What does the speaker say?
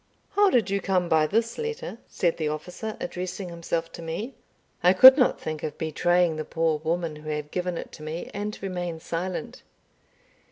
"How did you come by this letter?" said the officer, addressing himself to me. I could not think of betraying the poor woman who had given it to me, and remained silent.